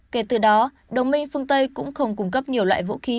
kể từ đó đồng minh phương tây cũng không cung cấp nhiều loại vũ khí